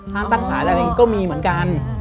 ห้ามตั้งศาลอะไรอย่างนี้ก็มีเหมือนกัน